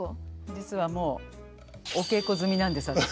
実はもうお稽古済みなんです私。